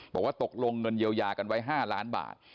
บอกว่าตกลงเงินเยียวยากันไว้๕ล้านบาท